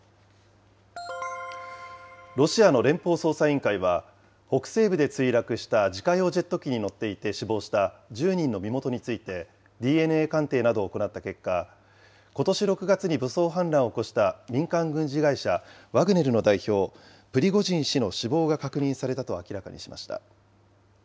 ロシアの連邦捜査委員会は、北西部で墜落した自家用ジェット機に乗っていて死亡した１０人の身元について、ＤＮＡ鑑定などを行った結果、ことし６月に武装反乱を起こした民間軍事会社、ワグネルの代表、プリゴジン氏の死亡が確認されたと明らかにしました。